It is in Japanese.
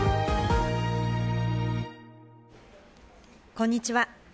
こんにちは。